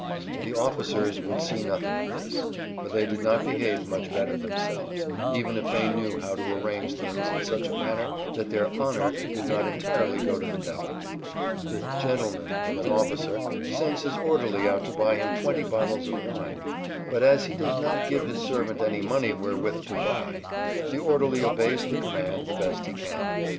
The officers would see nothing of this, for they did not behave much better themselves, even if they knew how to arrange things in such a manner that their "honor" did not entirely go to the devil. The "gentleman" of an officer sends his orderly out to buy him twenty bottles of wine, but as he does not give his servant any money wherewith to "buy," the orderly obeys the command the best he can.